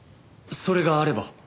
それがあれば。